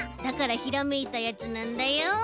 だからひらめいたやつなんだよ。